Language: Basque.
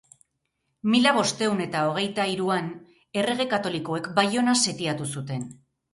Mila bostehun eta hogeitahiruan Errege Katolikoek Baiona setiatu zuten.